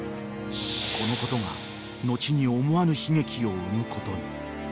［このことが後に思わぬ悲劇を生むことに］